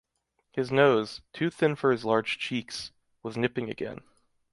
His nose, too thin for his large cheeks, was nipping again.